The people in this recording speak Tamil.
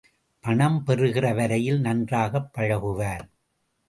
பணம் பெறுகிற வரையில் நன்றாகப் பழகுவார்.